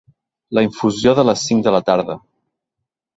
La infusió de les cinc de la tarda.